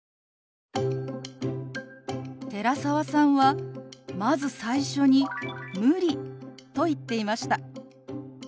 寺澤さんはまず最初に「無理」と言っていました。